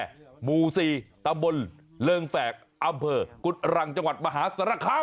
บ่แก่หมูซีตำบลเลิงแฝกอำเภอกุฎรังจังหวัดมหาศรคัม